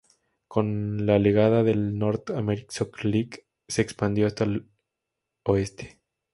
Con la legada de la North American Soccer League, se expandió hasta el Oeste.